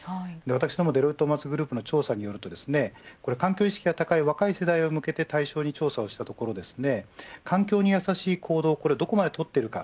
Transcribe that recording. デロイトトーマツグループの調査によると環境意識が高い若い世代を対象に調査をしたところ環境にやさしい行動はどこまで取っているか。